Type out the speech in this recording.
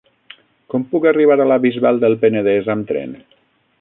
Com puc arribar a la Bisbal del Penedès amb tren?